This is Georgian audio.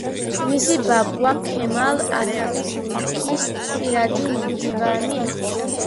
მისი ბაბუა ქემალ ათათურქის პირადი მდივანი იყო.